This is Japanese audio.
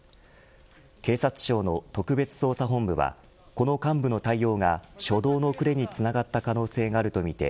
警察庁の特別捜査本部はこの幹部の対応が初動の遅れにつながった可能性があるとみて